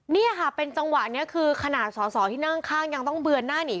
นี่ค่ะเป็นจังหวะนี้คือขนาดสอสอที่นั่งข้างยังต้องเบือนหน้าหนี